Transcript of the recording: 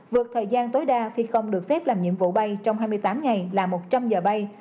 vượt thời gian tối đa phi không được phép làm nhiệm vụ bay trong hai mươi tám ngày là một trăm linh giờ bay